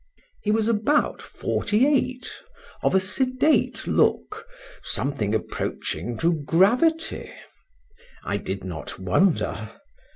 He was about forty eight;—of a sedate look, something approaching to gravity. I did not wonder.